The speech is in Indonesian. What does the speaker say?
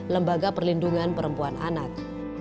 lembaga perlindungan perempuan anak